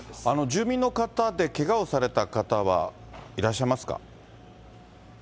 住民の方でけがをされた方はいらっしゃいますか。